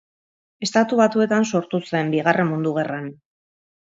Estatu Batuetan sortu zen Bigarren Mundu Gerran.